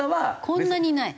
こんなにない。